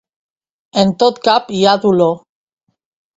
En tot cap hi ha dolor.